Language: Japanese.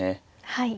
はい。